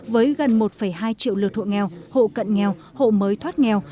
với gần một hai triệu lượt hộ nghèo hộ cận nghèo hộ mới thoát nghèo